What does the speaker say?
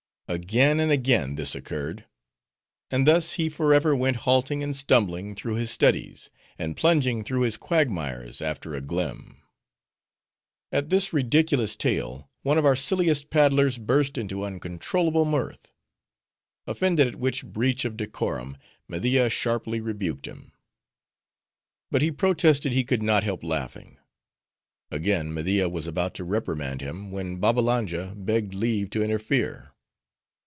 Again and again this occurred. And thus he forever went halting and stumbling through his studies, and plunging through his quagmires after a glim." At this ridiculous tale, one of our silliest paddlers burst into uncontrollable mirth. Offended at which breach of decorum, Media sharply rebuked him. But he protested he could not help laughing. Again Media was about to reprimand him, when Babbalanja begged leave to interfere.